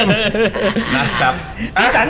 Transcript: นะครับ